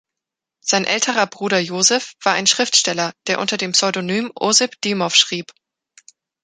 Sein älterer Bruder Yosif war ein Schriftsteller, der unter dem Pseudonym Osip Dymov schrieb.